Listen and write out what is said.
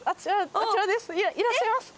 いやいらっしゃいます。